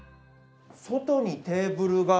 外にテーブルが。